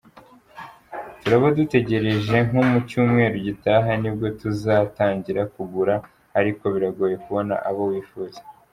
Turaba dutegereje nko mu cyumweru gitaha nibwo tuzatangira kugura ariko biragoye kubona abo wifuza.